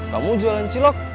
kamu jualan cilok